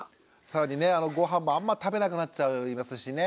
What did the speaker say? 更にねごはんもあんま食べなくなっちゃいますしね。